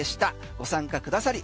ご参加くださり